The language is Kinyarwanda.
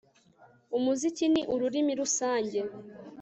Umuziki ni ururimi rusange